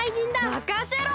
まかせろ！